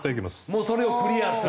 もうそれをクリアする？